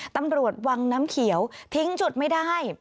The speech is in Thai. ตำรวจวังน้ำเขียวทิ้งจุดไม่ได้